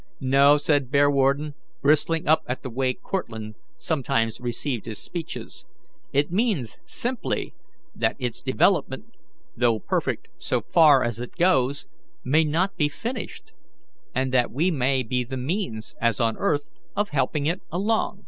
"No," said Bearwarden, bristling up at the way Cortlandt sometimes received his speeches, "it means simply that its development, though perfect so far as it goes, may not be finished, and that we may be the means, as on earth, of helping it along."